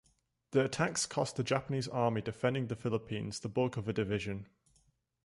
The attacks cost the Japanese army defending the Philippines the bulk of a division.